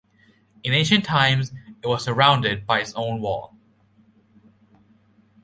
In ancient times, it was surrounded by its own wall.